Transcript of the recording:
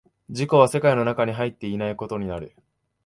自己は世界の中に入っていないことになる。